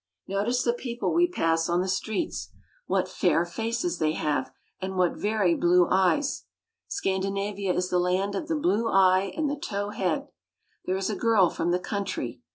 Notice the people we pass on the streets. What fair faces they have, and what very blue eyes ! Scandinavia is the land of the blue eye and the tow head. There is a girl from the country.